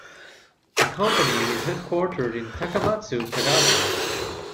The company is headquartered in Takamatsu, Kagawa.